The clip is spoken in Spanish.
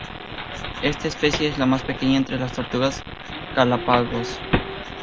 Esta especie es la más pequeña entre las tortugas Galápagos.